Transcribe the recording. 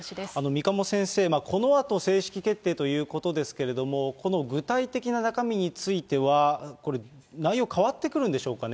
三鴨先生、このあと、正式決定ということですけれども、この具体的な中身についてはこれ、内容変わってくるんでしょうかね？